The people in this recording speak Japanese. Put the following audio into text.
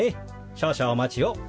少々お待ちを。